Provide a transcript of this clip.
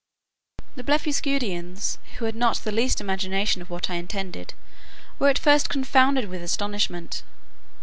The Blefuscudians, who had not the least imagination of what I intended, were at first confounded with astonishment.